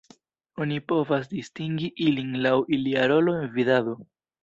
Oni povas distingi ilin laŭ ilia rolo en vidado.